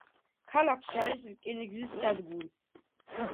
ქალაქში არის რკინიგზის სადგური.